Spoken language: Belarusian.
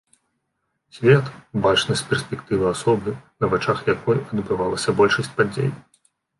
Свет, бачаны з перспектывы асобы, на вачах якой адбывалася большасць падзей.